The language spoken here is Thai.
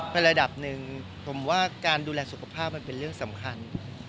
เป็นระดับหนึ่งผมว่าการดูแลสุขภาพมันเป็นเรื่องสำคัญ